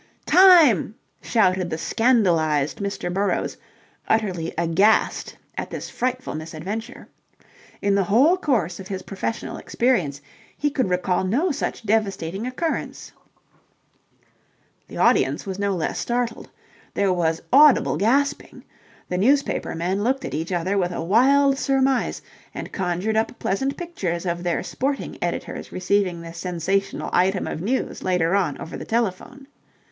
"Time!" shouted the scandalized Mr. Burrowes, utterly aghast at this frightful misadventure. In the whole course of his professional experience he could recall no such devastating occurrence. The audience was no less startled. There was audible gasping. The newspaper men looked at each other with a wild surmise and conjured up pleasant pictures of their sporting editors receiving this sensational item of news later on over the telephone.